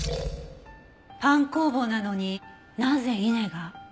パン工房なのになぜ稲が。